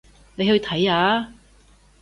你去睇下吖